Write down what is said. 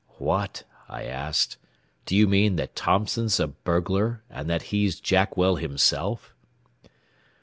"What?" I asked; "do you mean that Thompson's a burglar; and that he's Jackwell himself?"